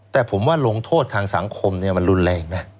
แต่ผมว่าลงโทษทางสังคมมันรุนแรงนะ